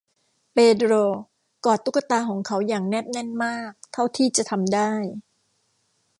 เปโดรกอดตุ๊กตาของเขาอย่างแนบแน่นมากเท่าที่จะทำได้